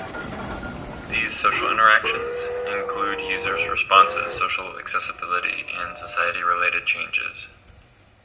These social interactions include users' responses, social accessibility and society related changes.